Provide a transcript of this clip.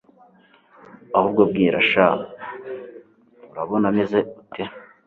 ahubwo mbwira sha urabona meze ute